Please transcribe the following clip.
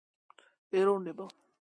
ერთვის შავ ზღვას ქალაქ ადლერთან.